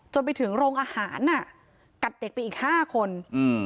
จนไปถึงโรงอาหารอ่ะกัดเด็กไปอีกห้าคนอืม